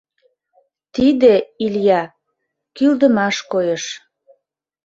Тиде, Иля, кӱлдымаш койыш...